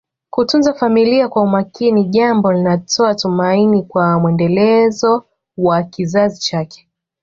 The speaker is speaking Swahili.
Kutunza familia kwa umakini jambo linatoa tumaini kwa mwendelezo wa kizazi chake